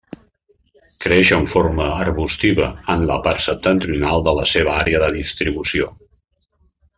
Creix en forma arbustiva en la part septentrional de la seva àrea de distribució.